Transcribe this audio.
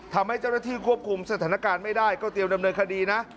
ทำให้เจ้าหน้าที่ควบคุมสถานการณ์ไม่ได้ก็เตรียมดำเนินคดีนะ